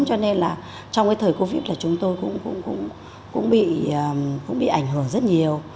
cho nên là trong cái thời covid là chúng tôi cũng bị ảnh hưởng rất nhiều